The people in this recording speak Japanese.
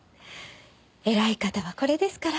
偉い方はこれですから。